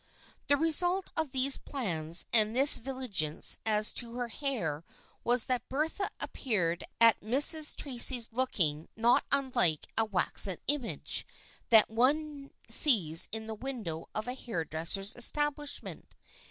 The result of these plans and this vigilance as to her hair was that Bertha appeared at Mrs Tracy's looking not unlike a waxen image that one sees in the window of a hairdresser's establish ment.